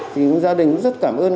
thì gia đình cũng rất cảm ơn các cá nhân